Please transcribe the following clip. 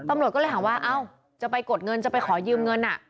ตำรวจก็เลยถามว่าเอ้าจะไปกดเงินจะไปขอยืมเงิน